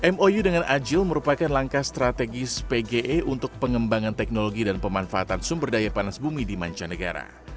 mou dengan ajil merupakan langkah strategis pge untuk pengembangan teknologi dan pemanfaatan sumber daya panas bumi di mancanegara